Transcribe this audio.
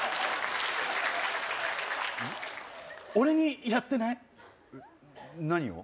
俺にやってない？何を？